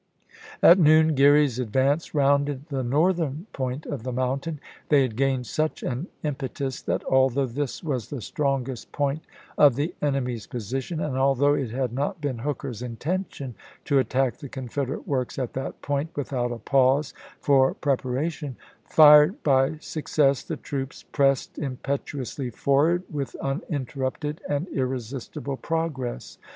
"' At noon Geary's advance rounded the northern point of the mountain. They had gained such an impetus that although this was the strongest point of the enemy's position, and although it had not been Hooker's intention to attack the Confederate works at that point without a pause for prepara tion, fired by success the troops pressed impetu ously forward with uninterrupted and irresistible progress.